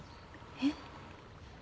えっ？